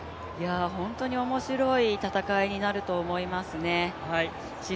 本当に面白い戦いになると思います。